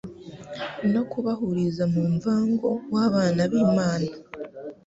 no kubahuriza mu mmvango w'abana b'Imana.